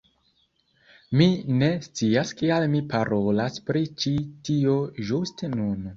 Mi ne scias kial mi parolas pri ĉi tio ĝuste nun